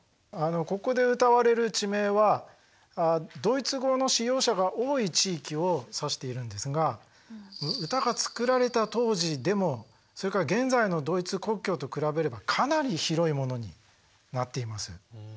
ここで歌われる地名はドイツ語の使用者が多い地域を指しているんですが歌が作られた当時でもそれから現在のドイツ国境と比べればかなり広いものになっています。